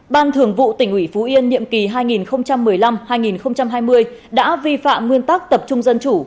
ban thường vụ tỉnh ủy phú yên nhiệm kỳ hai nghìn một mươi năm hai nghìn hai mươi đã vi phạm nguyên tắc tập trung dân chủ